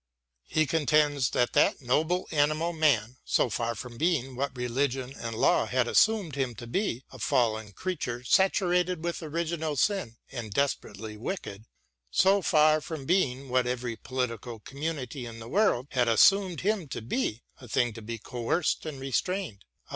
He contends that that noble animal man, so far from being what religion and law had assumed him to be, a fallen creature saturated with original sin and desperately wicked; so far 84 WILLIAM GODWIN AND from being what every political community in the world had assumed him to be, a thing to be coerced and restrained — a.